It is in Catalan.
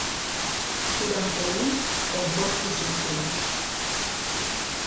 Quaranta-u com fos possible.